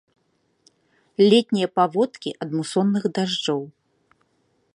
Летнія паводкі ад мусонных дажджоў.